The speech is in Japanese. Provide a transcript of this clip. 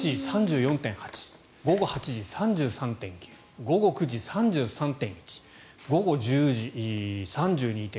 午後７時、３４．８午後８時、３３．９午後９時、３３．１午後１０時、３２．５１１